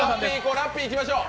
ラッピーいきましょう。